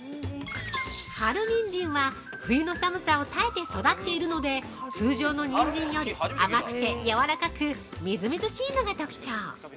◆春ニンジンは、冬の寒さを耐えて育っているので、通常のニンジンより甘くて軟らかく、みずみずしいのが特徴。